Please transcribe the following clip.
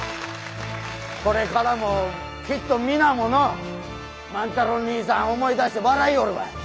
これからもきっと皆ものう万太郎にいさん思い出して笑いよるわい。